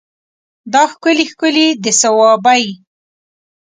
دا ښکلي ښکلي د صوابی